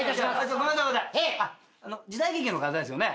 時代劇の方ですよね？